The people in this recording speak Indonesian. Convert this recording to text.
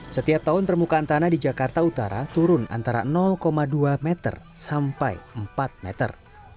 setiap tahun permukaan tanah di jakarta utara turun antara dua meter sampai empat meter